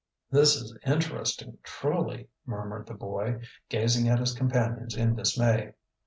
"This is interesting truly," murmured the boy, gazing at his companions in dismay.